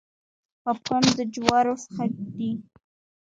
پاپ کارن د جوارو څخه دی.